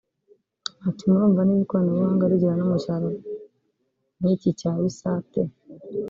Ati “Murumva niba ikoranabuhanga rigera no mu cyaro nk’iki cya Bisate